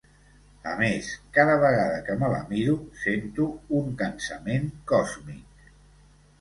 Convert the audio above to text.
A més, cada vegada que me la miro sento un cansament còsmic.